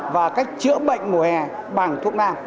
và cách chữa bệnh mùa hè bằng thuốc nam